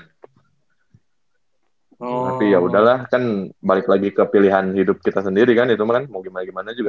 tapi yaudahlah kan balik lagi ke pilihan hidup kita sendiri kan itu mah kan mau gimana gimana juga